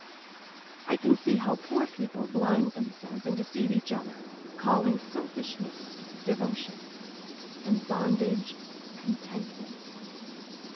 I can see how poor people blind themselves and deceive each other, calling selfishness devotion, and bondage contentment.